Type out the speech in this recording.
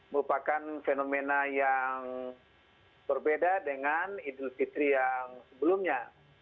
merupakan fenomena yang berbeda dengan idul fitri yang sebelumnya